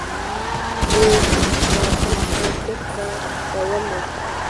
موږ د خلکو په ګډ کار باور لرو.